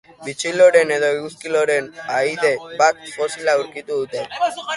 Bitxiloreen edo eguzki loreen ahaide baten fosila aurkitu dute.